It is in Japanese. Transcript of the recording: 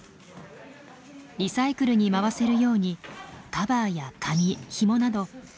リサイクルに回せるようにカバーや紙ひもなど素材ごとにバラバラにします。